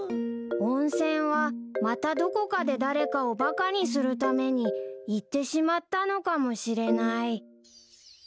［温泉はまたどこかで誰かをバカにするために行ってしまったのかもしれない］